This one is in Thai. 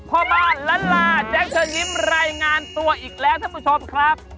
พ่อมาลันลาแจ๊กจะยิ้มรายงานตัวอีกแล้วท่านผู้ชมครับ